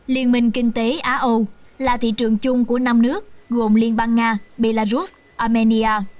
liên minh kinh tế á âu là thị trường chung của năm nước gồm liên bang nga belarus armenia